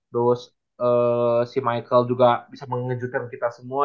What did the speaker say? terus si michael juga bisa mengejutkan kita semua